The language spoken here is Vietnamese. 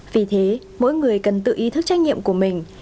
vì thế mỗi người cần tự ý thức trách nhiệm của mình